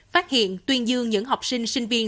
phát hiện tuyên dương những học sinh sinh viên